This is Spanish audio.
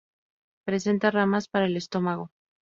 Presenta ramas para el estómago.